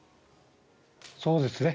そうですね。